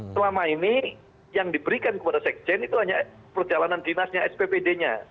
selama ini yang diberikan kepada sekjen itu hanya perjalanan dinasnya sppd nya